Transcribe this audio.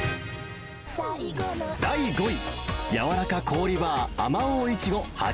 第５位、やわらか氷バー